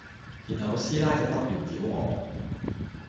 然後個師奶就不斷屌我